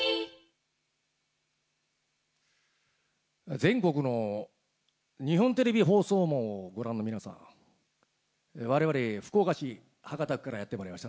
全国の日本テレビ放送網をご覧の皆さん、我々、福岡市博多区からやってきました